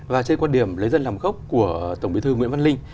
và trên quan điểm lấy dân làm gốc của tổng bí thư nguyễn văn linh